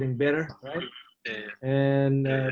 juga berjalan lebih baik